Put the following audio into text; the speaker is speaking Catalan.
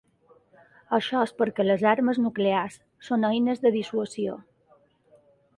Això és perquè les armes nuclears són eines de dissuasió.